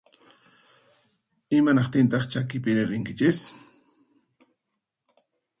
Imanaqtintaq chakipiri rinkichis?